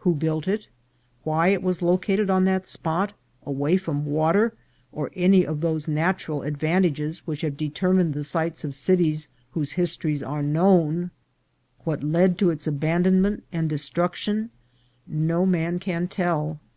Who built it, why it was lo cated on that spot, away from water or any of those natural advantages which have determined the sites of cities whose histories are known, what led to its aban donment and destruction, no man can tell.